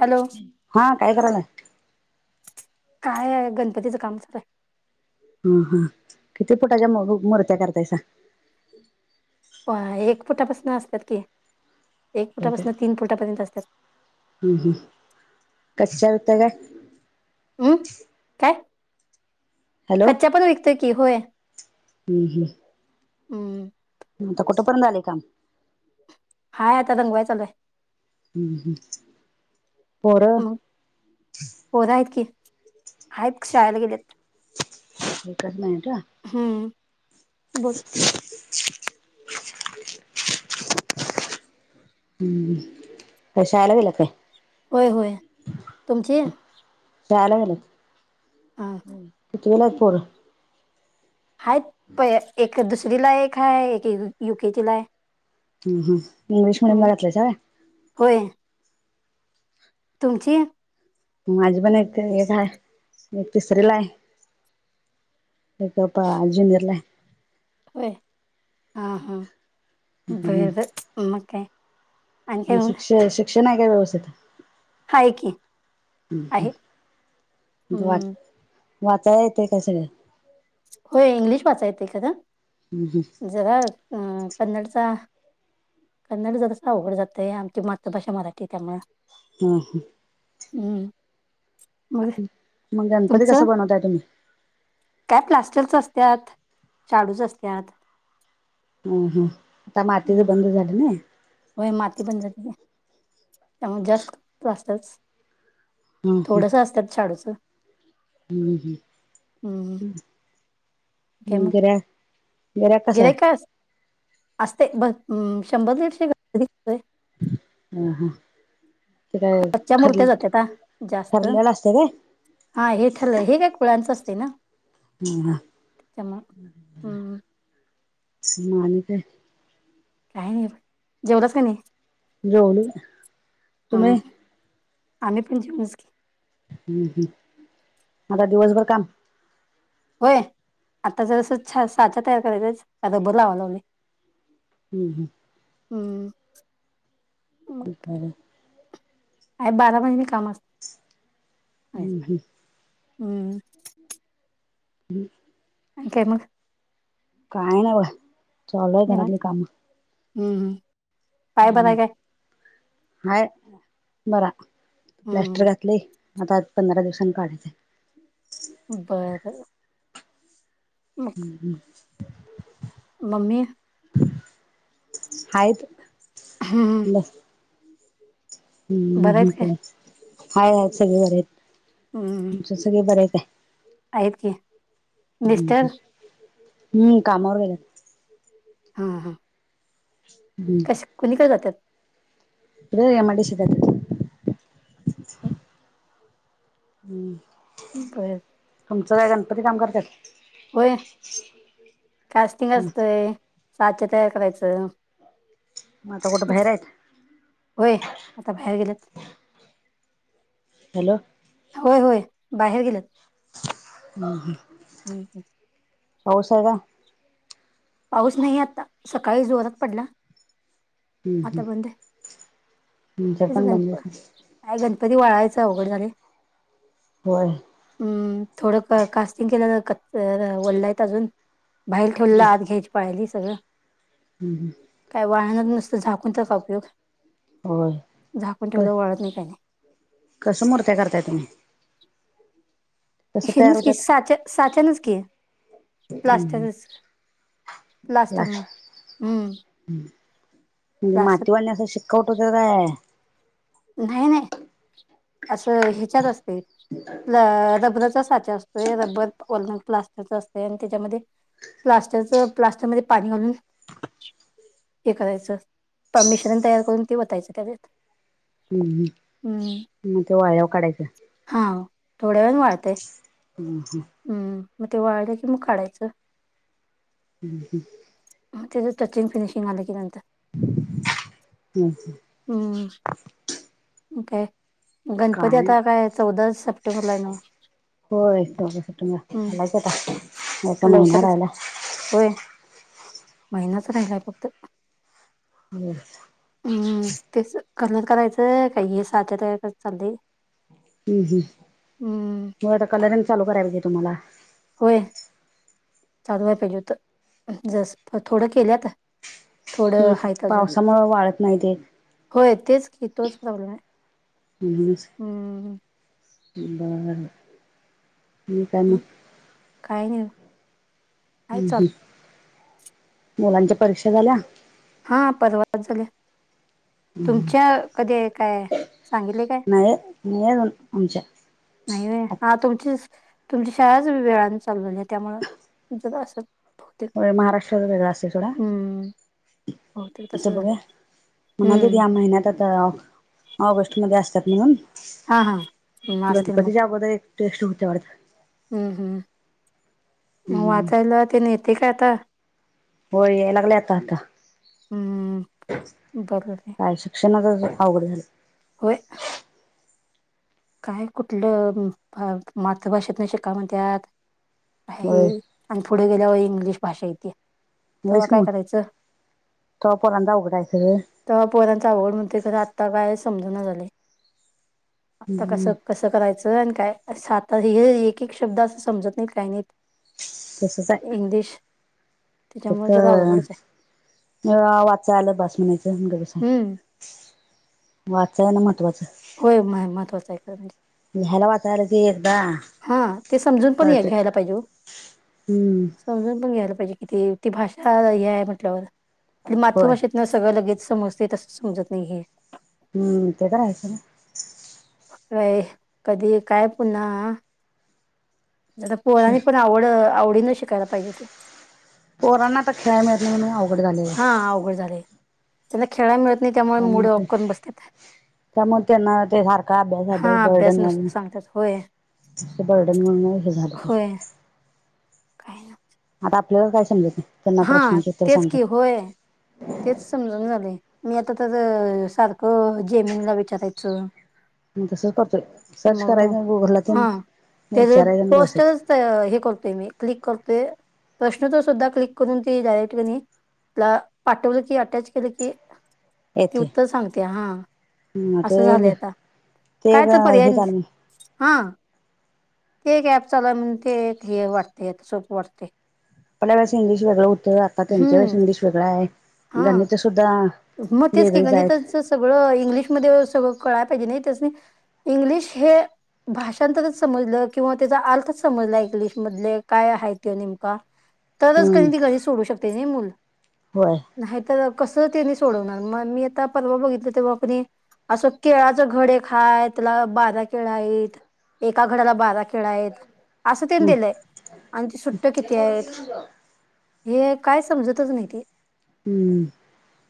Hello हा.. काय करायला? काय नाय.. गणपतीचं काम चालूये. हा हा किती फुटाच्या मूर्त्या करत्यायसा? प एक फुटापासन असत्यात की एक फुटापासन तीन फुटापर्यंत असतात. हा हा कश्यान तव्यात? हम्म.. काय? कच्चा पण विकते की? होय. ह्म्म ह्म्म.. हम्म.. आता कुठपर्यंत आलय काम? हाय आता रंगवाय चालूय. ह्म्म ह्म्म, पोर. पोर आहेत की. आहेत शाळेत गेलेत. एकच हम्म.. [inaudible] बोल ह्म्म.. ते शाळेला व्हय. होय होय तुमची? शाळेला गेलेत. हा कितवीला आहेत पोर? हायेत प एक दुसरीला हाय एक हा, एक युकेजीला आहे. हम्म ह इंग्लिश मीडियम हम्म घातलाईसा? होय. तुमची? माझी पण एक केजीलाच हाय, एक तिसरीला हाय. एक आत्ता ज्युनिअरला हाय. होय, हा हा हं गये बाई म काय? आणि म काय म्हणून शिक्षण, शिक्षण हाय काय व्यवस्थित? हाय की ह्म्म आहे ह्म्म, हम्म [unintelligible] वाचाय येतय का सगळ? होय, इंग्लिश वाचा येतय त्याला. हम्म हम्म. जवळ अ कन्नडचा. कन्नड जरास अवघड जातय, आमची मातृभाषा मराठी त्यामुळ. हम्म हम्म. हम्म. [inaudible] म गणपती कस तुमचं बनवताय तुम्ही? काय प्लास्टीकच असत्यात, शाडूच असत्यात. हम्म हम्म आता मातीचं हम्म बंद झाली ना? होय माती बंद झाली, जास्त प्लास्टरस. हम्म थोडस असत्यात शाडूचं. हम्म हम्म, काय म मग बराय. बरा, कसाये? असत्यात बघ अ शंभर, दीडशे [unintelligible] हम्, ते काय कच्च्या मूर्त्या जात्याता जास्त. ठरठरलेला असते काय? हा हे ठरलय, हे काय कुळांचं असते ना. हम् हा त्यामुळं [inaudible] हम्म मग आणि काय? काही नाही, जेवल्यास का नाही? जेवली ना, हम्म तुम्ही? आम्ही पण जेवलीच की. हम्म हम्म, आता दिवसभर काम? होय आता जरस ते छ साफ-सफाई करायचाच आ रबर लावाय लागलोय. हम् हम्. हम्म. बपरे. [unintelligible] अ बारामध्येज [unintelligible] काम असत, हम्म हम्म हम्म. हम्. आणि काय मग? काय नाही बग चालू हाय घरातली काम. हम् ह. हम् हाय बरा प्लॅस्टर हम्म घातलंय. आता आज पंधरा दिवसांनी काढायचंय. बरं. ह. [inaudible] मम्मी. हायत. हम्. बरं आहेत हम्म [unintelligible] काय अ हाय हाय सगळं हा हम्. सगळं बरेय ताई. आहेत की मिस्टर ह हम्म, कामावरय. अंह हम्. कश्श कोणीकडे जात्यात? नै यमआयडीशीतायत. ह हम्म. कळेल तुमचं काय गणपती काम करत्यात? होय, कास्टिंग असतंय साचा तयार करायचं. म आता कुटं भाहिरेत? व्हय, आता भायेर गेलेत. हॅलो होय होय, बाहेर गेलेत. [inaudible] पाऊसाय का? पाऊस नाही आत्ता, सकाळी जोरात पडला. हम्म हम्म आता बंदय, तुमच्यात पण बंदच [unintelligible] काय गणपती वळायचाय उघड झाली व्हय. हम्, थोडं पा कास्टिंग केलं त कच वल्लऐत अजून, भायेर ठेवलेला आत हेच पाहिली सगळं? ह हं. काय वाळणर नुसतं झाकून त काय उपयोग? होय. झाकून ठेवल्यावर वाळत नाही काही. कसं मूर्त्या करतायतं? तयार हेनच की, होत्यात? साच्या साच्यानंच की. हम्म प्लास्टरच. प्लास्टरनं. हम. मातीवाली असं शिक्कवतो का काय? न्हाई न्हाई, असं ह्याच्यात असतंय. लं र रबराचा साचा अस व्हय रब्बर वरनून प्लास्टरस असतंय आणि त्याच्यामध्ये प्लास्टरचं प्लास्टरमधे पाणी घालून हे करायचं. प मिश्रण तयार करून ते वतायचं त्याज्यात. हम हम. तो वाळ्याव काढायचा. हा थोड्या वेळ वाळतय अं ह हम्म, मग ते वाळलं कि मग काढायचं. अं हम. मग त्याचं टचिंग फिनिशिंग आलं की नंतर [inaudible] हम. हम्. मग काय? गणपती आता काय? चौदा सप्टेबरला हे नव्हं? होय-होय, चौदा सप्टेंबरला आहे. आलायंच आता, एक महिना लवकरच राहिलाय. होय महिनाच राहिलाय फक्त. होय. हम्म, तेच कलर करायचं, का हे साध तयार करायचं हे चाललंय. हम्म-हम्म, हम्म, मग आता कलरिंग चालू करायला पाहिजे तुम्हाला. होय. चालू व्हाय पाहिजे होत. जस, थोडं केल्यात. थोडं नीट हायत अजून. पावसामुळे वाळत नाही ते. होय. तेच की, तोच प्रॉब्लेम आहे. नेहमीच, हम्म, बरं-बरं, आणि काय मगं. काही नाही. हाय चालू. हम्म-हम्म, मुलांच्या परीक्षा झाल्या? हा, परवाच झाल्या. तुमच्या कधी आहे. काय आहे. सांगितले काय? नाही नाही अजून आमच्या नाही बाई, हा तुमचीच तुमची शाळांचं वेळानं चालु झाली, त्यामुळं तुमच्यात असलं. होय. महाराष्ट्राचा वेगळा असतोय थोडा. हम्म बहुतेक तुमचं तसं झालंय बघुया, म्हणालती की हम्म या महिन्यात आता ऑफ ऑगस्ट मध्ये असत्यात म्हणून, हा हा म असतील गणपतीच्या अगोदर एक टेस्ट होत्या वाटतं. हम्म-हम्म, मग हम्म वाचायला तेन येतेय का आता? होय, याय लागलंय आता-आता. हम्म बरोबर आहे काय शिक क्षणांतच आवघडं झालं. होय. काय कुठलं, मातृभाषेतन शिका म्हणत्यात. बाई होय आणि पुढे गेल्यावर इंग्लिश भाषा इत्या. व्हयच की मग, तवा पोरांच अवघड आहे सगळं. तवा पोरांच अवघड म्हणतोय खरं, आता काय समजन झालंय. आता हम्म कसं-कसं करायचं, आणि काय, आसं आता हे एक-एक शब्द असं समजत नाहीत, काय नाहीत. तसंच आहे. पक त्याच्यामुळे जरा अवघडच आहे अ वाचाय आलं बास म्हणायचं, आणि गप बसायचं. हम्म वाचाय येन महत्त्वाचं. होय. महत्वाचं आहे. खरं म्हणजे लिहायल, वाचायला आलं की एखदा हा, ते समजून पण घ्यायला पाहिजे ओ. हम्म समजून पण घ्यायला पाहिजे कि ते, ती भाषा, हे आहे म्हटल्यावर, आपली होय मातृभाषेत ना सगळं लगेच समजते, तसंच समजत नाही हे. हम्म, ते तर आहेच सोडा. होय, कधी काय पुन्हा आत्ता ना पोरनी पण आवड, आवडीन शिकायला पाहिजे ते. पोरांना आता खेळाय मिळ नाही, म्हणनू अवघड झाले. हा अवघड झाले, त्यांना खेळायला मिळत नाही. त्यामुळे मुड ऑप करून बसत. त्यामुळेग त्यांना ते सारखा अभ्यास-अभ्यास हा बर्डन अभ्यास मधून नसतो सांगतात होय. नुसता बर्डन माध्यन झालते. होय काय ला. आता आपल्यालाच काय समजाय नाही. त्यांना हा प्रश्नांचे उत्तर तेच की सांगतात होय तेच समजून झालय. मी आता तर सारखं जेमीनला विचारायचं. तसंच करतोय सर्च कराय मग गुगल ला तीन हा त्याच विचार आणि बसायचं. पोस्टरच हे करतोय मी क्लिक करतोय प्रश्न त सुद्धा क्लिक करून ती डायरेक्ट कणी तला पाठवलं की अटॅच केलं की. ती येते उत्तर सांगते हा असं झालं ते आता ते काय एक तर पर्याय हे झालं हा ते गॅप चाला म्ह ते हे वाटते आ सोप वाटते. आपल्या वेळेस इंग्लिश वेगळा होत आत आ त्यांच्या वेळेस हम्म इंग्लिश वेगळा आहे, हा गणित सुद्धा मग तेच की वेगळेच आहेत. गणिताचं सगळं इंग्लिशमध्ये सगळं कळायला पाहिजे नाही त्यासनी इंग्लिश हे भाषांतरच समजलं किंवा त्याचा अर्थच समजला इंग्लिश मधले काय आहे त नेमका. तरच हम्म कधी ती कशी सोडू शकते नाही मुल. होय. नाही तर कसं त्यांनी सोडवणार मग मी आता परवा बघितलं तेव्हा कनी असं केळाच घड एक हाय तला बादा केळ आहेत. एका घड्याला बारा केळ आहेत, असं त्यांनी हम्म दिलंय आणि ती सुट्ट किती आहेत? हे काय समजतच नाही ते. हम्म.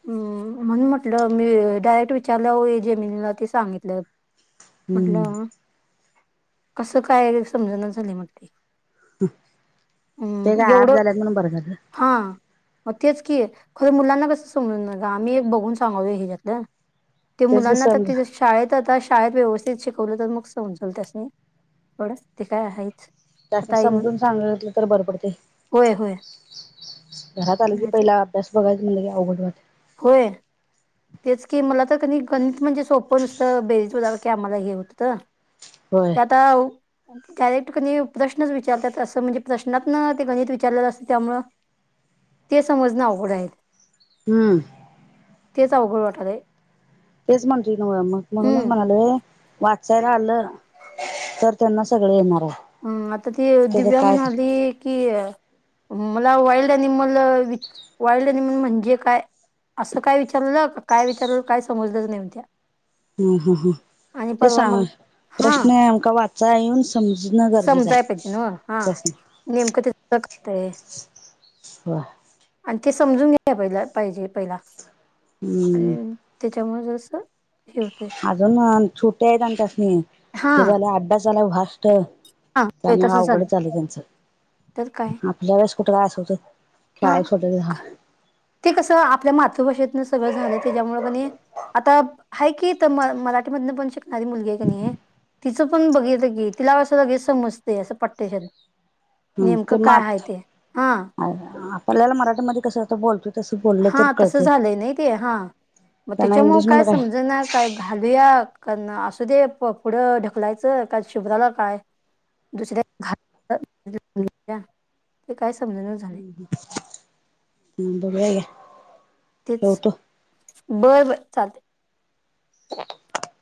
हम म्हणून म्हंटलं मी डायरेक्ट विचारलं हो जेमिनीला ते सांगितलं. [inaudible] म्हटलं कसं काय समजण झाली म्हटली. ते का आपब झाल्या म्हणून बरं झालं. हां. मग तेच की खरं मुलांना कसं समजू नका आम्ही एक बघून सांगवू ह्याच्यातलं. ते तेच ग मुलांना तर समज ते शाळेत आता शाळेत व्यवस्थित शिकवलं तर मग समजवल त्यासनी म थड ते काय आहेच. त्या आता इंग्ल समजून सांगलं तर बर पडते होय होय घरात आल की नाहीच पहिला जस बघायच म्हटले की अवघड वाटतंय. होय. तेच की मला तर कनी गणित म्हणजे सोपं नुसतं बेरीज बला की आम्हाला हे होतं. होय. त्यादाव डायरेक्ट कणी प्रश्नच विचारतात असं म्हणजे प्रश्नातन ते गणित विचारलेलं असत त्यामुळं. ते समजणं अवघडं आहे. हम्म. तेच अवघड वाटले आहे. तेच म्हण न मग म्हणून हम्म म्हणाले. वाचायला आलं तर त्यांना सगळे येणार आहे‌. हम, आता ती दिव्या म्हणाली की मला wild animal which wild animal म्हणजे काय? असं काय विचारलं काय विचारलं काय समजलंच नाही म्हणत्या. ह ह ह आणि ते परवा सांग मग हा प्रश्न आम वाचा येऊन. समजणं गरजेचं समजाय पाहिजे आहे ना हा प्रश्न. नेमकं तथ करतय. वा. आणि ते समजून घ्या पहि पाहिजे पहिला हम्म आणि त्याच्यामुळेच अस अजून छोट्या आहेत आणि त्यासनी हा हे झालं अड्डा झालाय भास त, हा त्यामुळं तसं झालं अवघडच झालंय त्यांच. तर काय आपल्या वेळेस कुठ काय अस हुत? हा खेळाय सोडल की झाल. ते कसं आपल्या मातृभाषेतन सगळं झालं त्याच्यामुळ पण हे आता आहे, की इथं म मराठीमधन पण शिकणारी मुलगी आहे का नयी तिचं पण बघितलंं की, तिला असं लगेच समजतय असं पटशीर नेमक ते काय हाय मात ते, हा [inaudible] आपल्याला मराठीमध्ये कसं आता बोलतोय. हा तसं झालंय नयी ते, हा मग त्यांना त्यािच्यामुळ काय इंग्लिशमध्ये समजना काय घालूया, का ना असू दे प पुढं ढकलायच का, शुभ्राला काय दुसऱ्या घातलं [inaudible] ते काय समजना झालंय. हम्म, बघूया घ्या तेच, ठेवतो बर बर चालतय. [unintelligible]